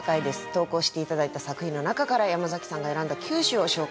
投稿して頂いた作品の中から山崎さんが選んだ９首を紹介していきます。